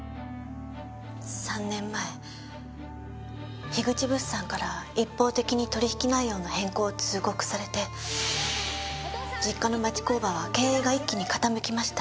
３年前口物産から一方的に取引内容の変更を通告されて実家の町工場は経営が一気に傾きました。